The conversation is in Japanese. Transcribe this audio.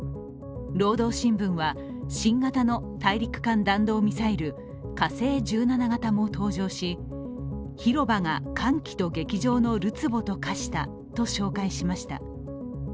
「労働新聞」は、新型の大陸間弾道ミサイル火星１７型も登場し「広場が歓喜と激情のるつぼと化した」と紹介しました。